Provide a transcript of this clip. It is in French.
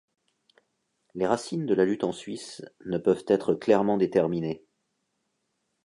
Les racines de la lutte en Suisse ne peuvent être clairement déterminées.